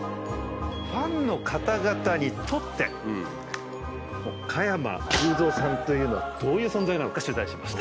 ファンの方々にとって加山雄三さんというのはどういう存在なのか取材しました。